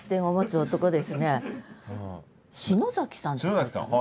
篠崎さん。